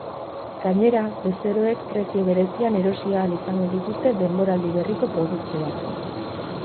Gainera, bezeroek prezio berezian erosi ahal izango dituzte denboraldi berriko produktuak.